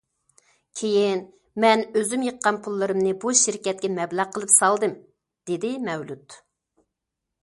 كېيىن مەن ئۆزۈم يىغقان پۇللىرىمنى بۇ شىركەتكە مەبلەغ قىلىپ سالدىم، دېدى مەۋلۇت.